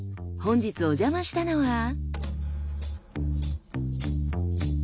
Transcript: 本日おじゃましたのは。